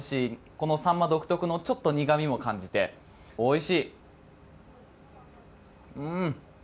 このサンマ独特のちょっと苦味も感じておいしい。